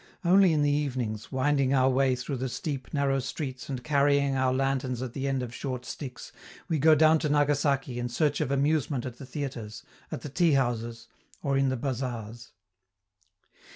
Only in the evenings, winding our way through the steep, narrow streets and carrying our lanterns at the end of short sticks, we go down to Nagasaki in search of amusement at the theatres, at the tea houses, or in the bazaars.